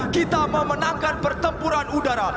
kita memenangkan pertempuran udara